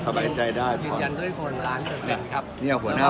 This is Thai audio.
เราไปดูโหวนายกละกันอีกเที่ยวหนึ่งนะครับ